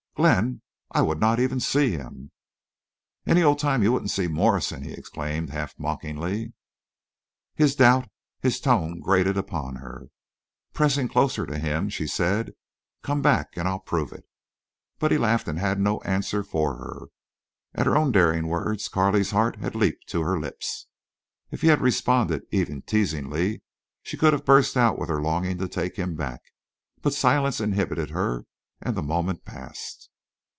"Glenn!... I would not even see him." "Any old time you wouldn't see Morrison!" he exclaimed, half mockingly. His doubt, his tone grated upon her. Pressing closer to him, she said, "Come back and I'll prove it." But he laughed and had no answer for her. At her own daring words Carley's heart had leaped to her lips. If he had responded, even teasingly, she could have burst out with her longing to take him back. But silence inhibited her, and the moment passed.